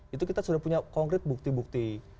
itu kita sudah punya konkret bukti bukti